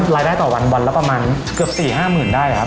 รายได้ต่อวันวันละประมาณเกือบ๔๕๐๐๐ได้ครับ